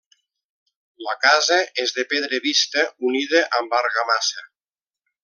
La casa és de pedra vista unida amb argamassa.